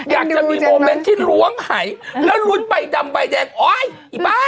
อยากจะมีโมเมนต์ที่ล้วงหายแล้วลุ้นใบดำใบแดงโอ๊ยอีบ้า